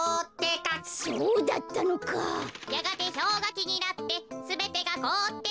やがてひょうがきになってすべてがこおってしまいました。